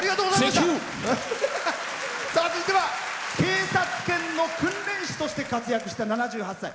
続いては警察犬の訓練士として活躍した７８歳。